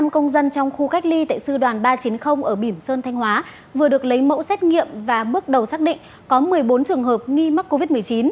một mươi công dân trong khu cách ly tại sư đoàn ba trăm chín mươi ở bỉm sơn thanh hóa vừa được lấy mẫu xét nghiệm và bước đầu xác định có một mươi bốn trường hợp nghi mắc covid một mươi chín